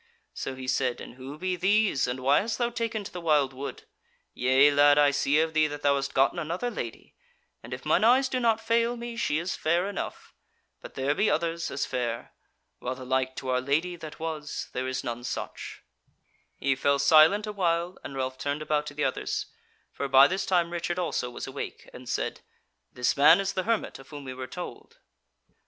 So he said: "And who be these, and why hast thou taken to the wildwood? Yea lad, I see of thee, that thou hast gotten another Lady; and if mine eyes do not fail me she is fair enough. But there be others as fair; while the like to our Lady that was, there is none such." He fell silent a while, and Ralph turned about to the others, for by this time Richard also was awake, and said: "This man is the hermit of whom we were told."